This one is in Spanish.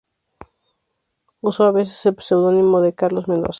Usó a veces el pseudónimo de Carlos Mendoza.